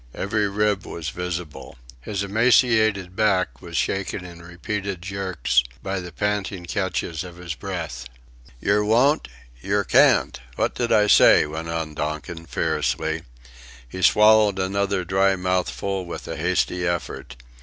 Every rib was visible. His emaciated back was shaken in repeated jerks by the panting catches of his breath. "Yer won't? Yer can't! What did I say?" went on Donkin, fiercely. He swallowed another dry mouthful with a hasty effort.